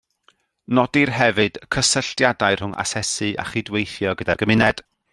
Nodir hefyd y cysylltiadau rhwng asesu a chydweithio gyda'r gymuned